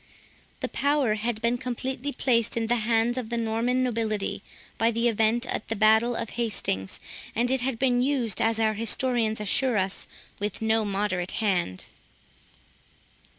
The power had been completely placed in the hands of the Norman nobility, by the event of the battle of Hastings, and it had been used, as our histories assure us, with no moderate hand.